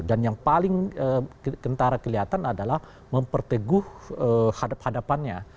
dan yang paling kentara kelihatan adalah memperteguh hadap hadapannya